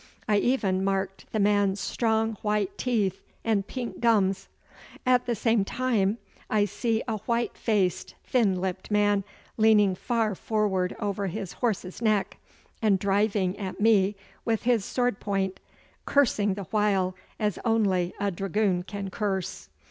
I even marked the man's strong white teeth and pink gums. At the same time I see a white faced, thin lipped man leaning far forward over his horse's neck and driving at me with his sword point, cursing the while as only a dragoon can curse.